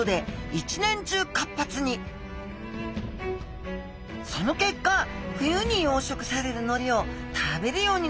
その結果冬に養殖されるのりを食べるようになってしまったのです